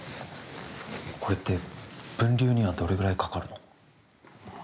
これって分留にはどれぐらいかかるの？